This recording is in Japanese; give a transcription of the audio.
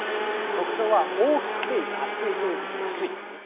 特徴は大きくて安いということなんですね。